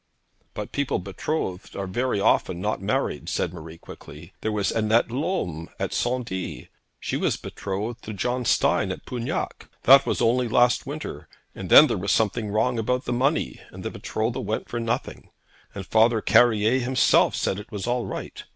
'But people betrothed are very often not married,' said Marie quickly. 'There was Annette Lolme at Saint Die. She was betrothed to Jean Stein at Pugnac. That was only last winter. And then there was something wrong about the money; and the betrothal went for nothing, and Father Carrier himself said it was all right.